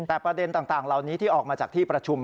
แต่ประเด็นต่างเหล่านี้ที่ออกมาจากที่ประชุม